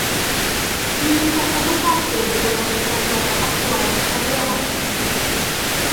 Міністр адукацыі выказаўся пра шэраг актуальных праблемаў.